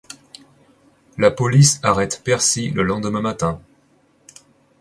La police arrête Percy le lendemain matin.